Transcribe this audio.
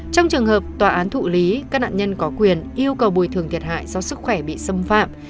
trong trường hợp tòa án thụ lý các nạn nhân có quyền yêu cầu bồi thường thiệt hại do sức khỏe bị xâm phạm